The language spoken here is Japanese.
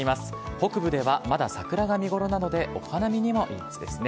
北部ではまだ桜が見頃なので、お花見にもいい季節ですね。